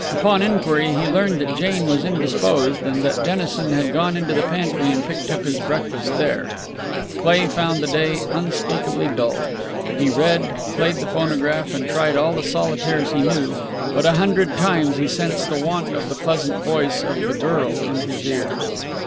Upon inquiry he learned that Jane was indisposed and that Dennison had gone into the pantry and picked up his breakfast there. Cleigh found the day unspeakably dull. He read, played the phonograph, and tried all the solitaires he knew; but a hundred times he sensed the want of the pleasant voice of the girl in his ears.